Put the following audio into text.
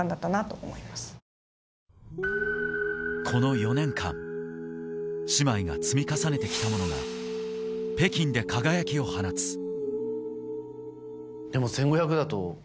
この４年間、姉妹が積み重ねてきたものが北京で輝きを放つ。